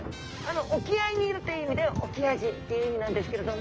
沖合にいるという意味でオキアジっていう意味なんですけれども。